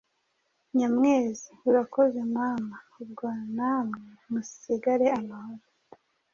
Nyamwezi: Urakoze mama! Ubwo namwe musigare amahoro!